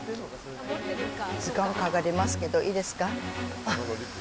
時間かかりますけど、いいですか？